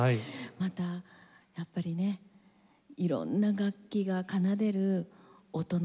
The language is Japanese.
またやっぱりね色んな楽器が奏でる音の力深み